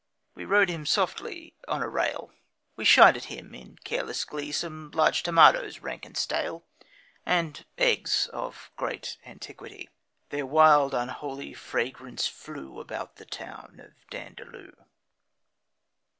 We rode him softly on a rail, We shied at him, in careless glee, Some large tomatoes, rank and stale, And eggs of great antiquity Their wild, unholy fragrance flew About the town of Dandaloo.